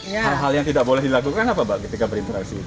hal hal yang tidak boleh dilakukan apa pak ketika berinteraksi